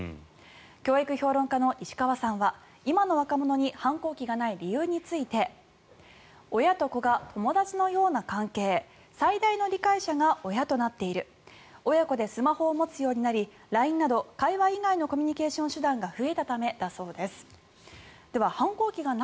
教育評論家の石川さんは今の若者に反抗期がない理由について親と子が友達のような関係最大の理解者が親となっている親子でスマホを持つようになりＬＩＮＥなど会話以外のコミュニケーション手段が増えたためだそうです。